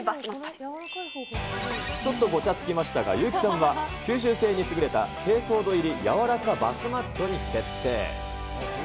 ちょっとごちゃつきましたが、優木さんは、吸収性に優れた珪藻土入りやわらかバスマットに決定。